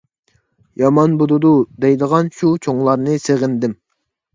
«يامان بولىدۇ» دەيدىغان شۇ چوڭلارنى سېغىندىم.